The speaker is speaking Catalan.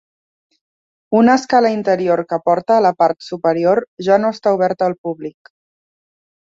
Una escala interior que porta a la part superior ja no està oberta al públic.